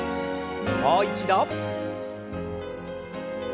もう一度。